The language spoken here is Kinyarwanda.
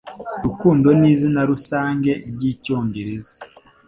Rukundo nizina rusange ryicyongereza